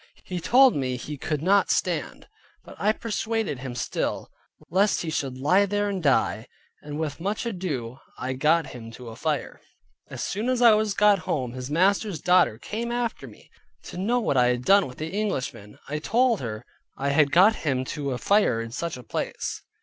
He told me he could not stand, but I persuaded him still, lest he should lie there and die. And with much ado I got him to a fire, and went myself home. As soon as I was got home his master's daughter came after me, to know what I had done with the Englishman. I told her I had got him to a fire in such a place.